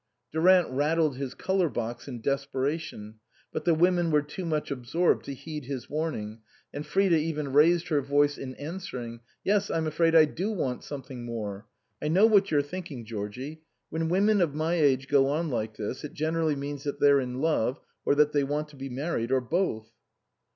Durant rattled his colour box in desperation, but the women were too much absorbed to heed his warning, and Frida even raised her voice in answering : "Yes, I'm afraid I do want something more. I know what you're thinking, Georgie. When women of my age go on like this it generally means that they're in love, or that they want to be married, or both."